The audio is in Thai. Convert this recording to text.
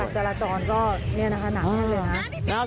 กับจรจรก็หนักแน่เลยฮะ